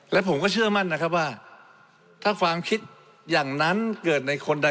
และผมก็เชื่อมั่นนะครับว่าถ้าความคิดอย่างนั้นเกิดในคนใด